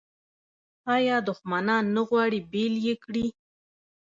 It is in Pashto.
آیا دښمنان نه غواړي بیل یې کړي؟